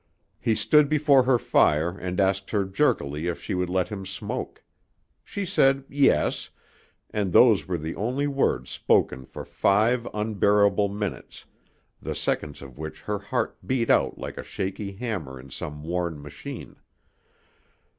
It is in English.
He stood before her fire and asked her jerkily if she would let him smoke. She said "Yes," and those were the only words spoken for five unbearable minutes the seconds of which her heart beat out like a shaky hammer in some worn machine.